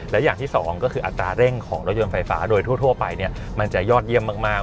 และอย่างที่สองก็คืออัตราเร่งของรถยนต์ไฟฟ้าโดยทั่วไปมันจะยอดเยี่ยมมาก